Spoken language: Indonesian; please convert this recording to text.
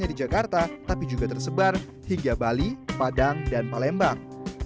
hanya di jakarta tapi juga tersebar hingga bali padang dan palembang